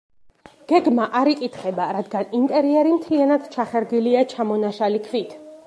გეგმა არ იკითხება, რადგან ინტერიერი მთლიანად ჩახერგილია ჩამონაშალი ქვით.